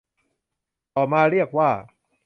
ต่อมาเรียกว่า